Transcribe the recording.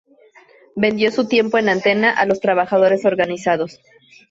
Vendió su tiempo en antena a los trabajadores organizados.